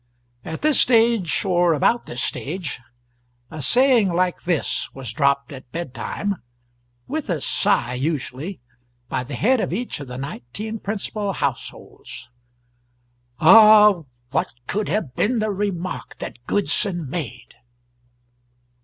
At this stage or at about this stage a saying like this was dropped at bedtime with a sigh, usually by the head of each of the nineteen principal households: "Ah, what could have been the remark that Goodson made?"